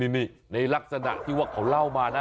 นี่ในลักษณะที่ว่าเขาเล่ามานะ